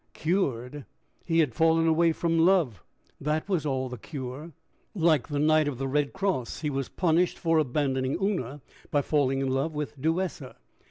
Cured? He had fallen away from love that was all the cure! Like the knight of the Red Cross, he was punished for abandoning Una, by falling in love with Duessa.